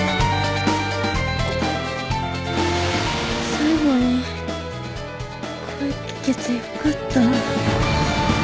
最後に声聞けてよかった。